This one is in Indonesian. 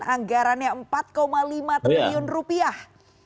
anggarannya empat lima triliun rupiah